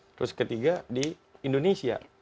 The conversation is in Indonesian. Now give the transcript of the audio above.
terus ketiga di indonesia